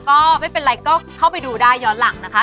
ก็ไม่เป็นไรก็เข้าไปดูได้ย้อนหลังนะคะ